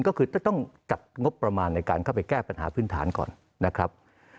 ก็คือต้องจัดงบประมาณในการเข้าไปแก้ปัญหาพื้นฐานก่อนนะครับ